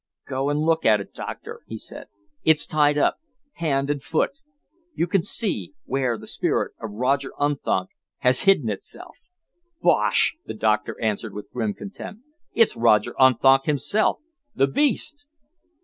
"Go and look at it, Doctor," he said. "It's tied up, hand and foot. You can see where the spirit of Roger Unthank has hidden itself." "Bosh!" the doctor answered, with grim contempt. "It's Roger Unthank himself. The beast!"